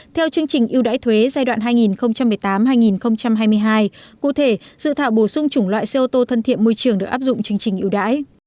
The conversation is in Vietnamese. theo chương trình ưu đãi thuế giai đoạn hai nghìn một mươi tám hai nghìn hai mươi hai cụ thể dự thảo bổ sung chủng loại xe ô tô thân thiện môi trường được áp dụng chương trình ưu đãi